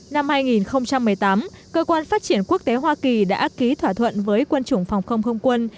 năm hai nghìn một mươi tám cơ quan phát triển quốc tế hoa kỳ đã ký thỏa thuận với quân chủng phòng không không quân